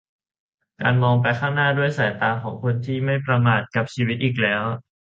การมองไปข้างหน้าด้วยสายตาของคนที่ไม่ประมาทกับชีวิตอีกแล้ว